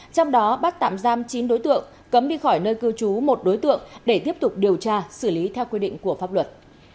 trong đó bắt tạm giam chín đối tượng cấm đi khỏi nơi cư trú một đối tượng để tiếp tục điều tra xử lý theo quy định của pháp luật